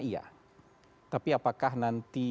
iya tapi apakah nanti